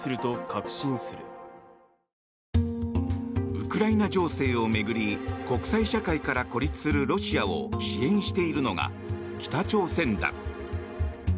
ウクライナ情勢を巡り国際社会から孤立するロシアを支援しているのが北朝鮮だ。